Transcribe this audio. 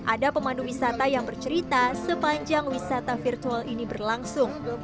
ada pemandu wisata yang bercerita sepanjang wisata virtual ini berlangsung